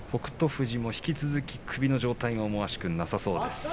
富士も引き続き首の状態が思わしくなさそうです。